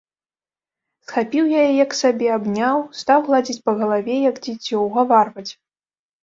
Схапіў яе к сабе, абняў, стаў гладзіць па галаве, як дзіцё, угаварваць.